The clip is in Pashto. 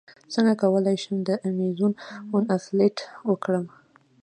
څنګه کولی شم د ایمیزون افیلیټ وکړم